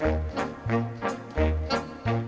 ไข่ไก่โอเยี่ยมอ้างอร่อยแท้อยากกิน